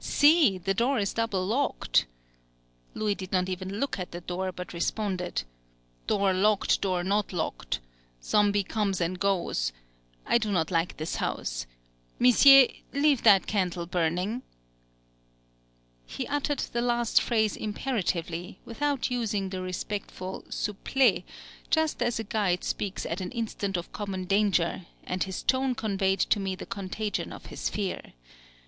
See! the door is double locked." Louis did not even look at the door, but responded: "Door locked, door not locked, Zombi comes and goes.... I do not like this house.... Missié, leave that candle burning!" He uttered the last phrase imperatively, without using the respectful souplé just as a guide speaks at an instant of common danger; and his tone conveyed to me the contagion of his fear.